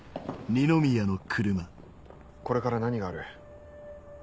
これから何がある？